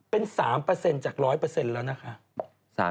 เป็น๓จาก๑๐๐แล้วนะคะ